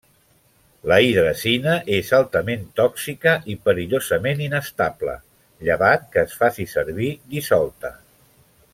La hidrazina és altament tòxica i perillosament inestable, llevat que es faci servir dissolta.